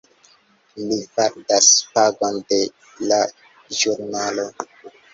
Li faldas paĝon de la ĵurnalo.